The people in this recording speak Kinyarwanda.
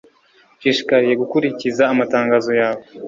nshishikariye gukurikiza amatangazo yawe